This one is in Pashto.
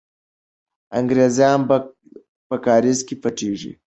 انګریزان په کارېز کې پټېږي.